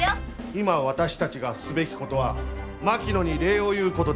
今私たちがすべきことは槙野に礼を言うことですよ。